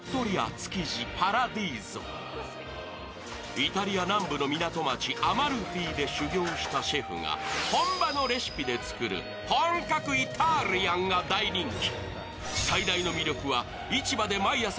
イタリア南部の港町アマルフィで修業したシェフが本場のレシピで作る本格イタリアンが大人気。